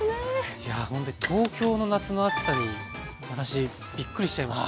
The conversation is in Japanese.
いやほんとに東京の夏の暑さに私びっくりしちゃいました。